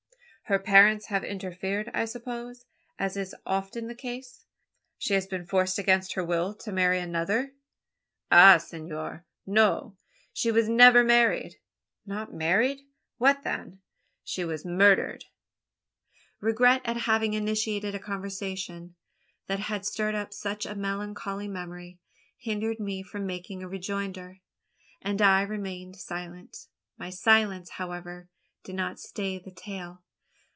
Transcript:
"Her parents have interfered, I suppose, as is often the case? She has been forced against her will to marry another?" "Ah! senor, no. She was never married." "Not married? what then?" "She was murdered!" Regret at having initiated a conversation that had stirred up such a melancholy memory hindered me from making rejoinder; and I remained silent. My silence, however, did not stay the tale.